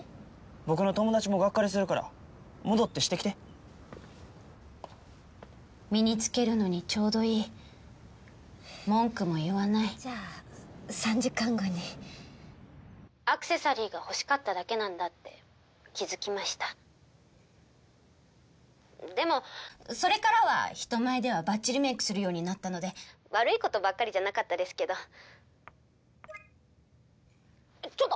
僕の友達もガッカリするから戻ってしてきて身につけるのにちょうどいい文句も言わないじゃあ３時間後にアクセサリーが欲しかっただけなんだって気づきましたでもそれからは人前ではバッチリメイクするようになったので悪いことばっかりじゃなかったですけどちょっと！